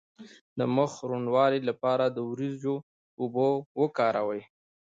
د مخ د روڼوالي لپاره د وریجو اوبه وکاروئ